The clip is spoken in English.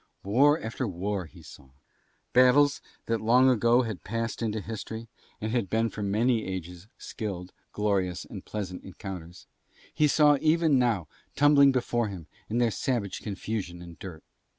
War after war he saw. Battles that long ago had passed into history and had been for many ages skilled, glorious and pleasant encounters he saw even now tumbling before him in their savage confusion and dirt.